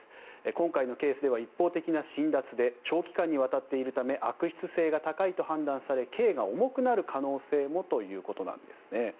今回のケースでは一方的な侵奪で長期間にわたっているため悪質性が高いと判断され刑が重くなる可能性もということなんですね。